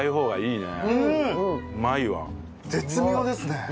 絶妙ですね。